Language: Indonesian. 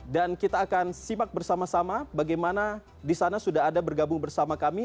dan kita akan simak bersama sama bagaimana di sana sudah ada bergabung bersama kami